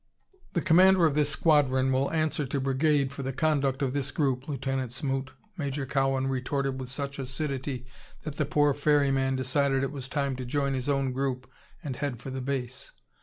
"The commander of this squadron will answer to Brigade for the conduct of this group, Lieutenant Smoot," Major Cowan retorted with such acidity that the poor ferryman decided it was time to join his own group and head for the base.